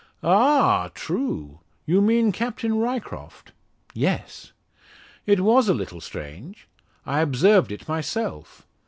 "Ah! true. You mean Captain Ryecroft?" "Yes." "It was a little strange. I observed it myself.